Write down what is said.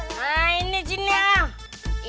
nah ini junyadi